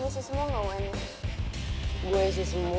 maka saya mau ibak dulu